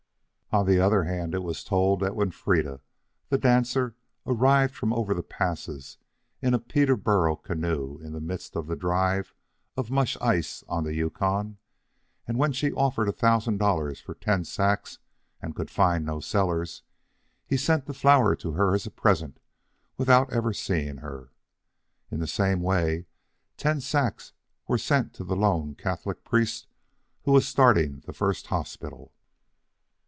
On the other hand, it was told that when Freda, the dancer, arrived from over the passes in a Peterborough canoe in the midst of a drive of mush ice on the Yukon, and when she offered a thousand dollars for ten sacks and could find no sellers, he sent the flour to her as a present without ever seeing her. In the same way ten sacks were sent to the lone Catholic priest who was starting the first hospital.